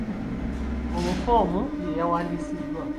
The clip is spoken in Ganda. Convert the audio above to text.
Omufu omu ye yawandiisibwa.